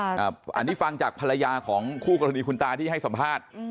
อันนี้ฟังจากภรรยาของคู่กรณีคุณตาที่ให้สัมภาษณ์